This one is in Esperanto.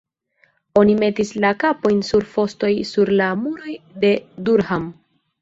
Oni metis la kapojn sur fostoj sur la muroj de Durham.